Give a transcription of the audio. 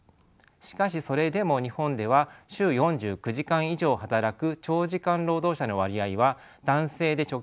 しかしそれでも日本では週４９時間以上働く長時間労働者の割合は男性で直近でも２割を超えています。